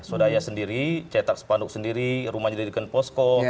saudaya sendiri cetak sepanduk sendiri rumahnya di dengan posko